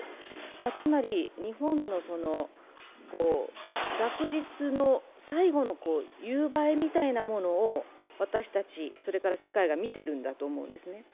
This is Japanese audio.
つまり日本の落日の最後の夕映えみたいなものを私たち、それから世界が見てるんだと思うんですね。